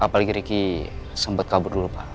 apalagi riki sempat kabur dulu pak